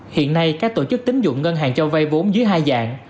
hiện nay các tổ chức tính dụng ngân hàng cho vay vốn dưới hai dạng